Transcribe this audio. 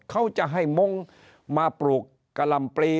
เขาจะให้มงค์มาปลูกกะลำปลี